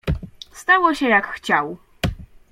"Stało się jak chciał."